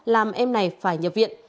làm em này phải nhập viện